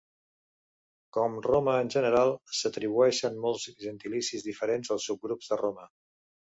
Com Roma en general, s'atribueixen molts gentilicis diferents als subgrups de Roma.